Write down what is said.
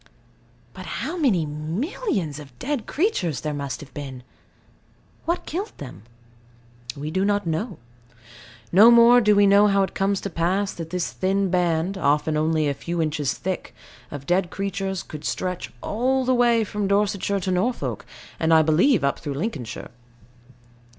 But how many millions of dead creatures, there must have been! What killed them? We do not know. No more do we know how it comes to pass that this thin band (often only a few inches thick) of dead creatures should stretch all the way from Dorsetshire to Norfolk, and, I believe, up through Lincolnshire.